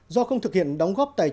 do không thực hiện đóng góp tài truyền